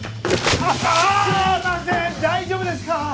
大丈夫ですか？